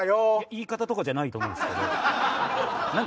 言い方とかじゃないと思うんですけど何？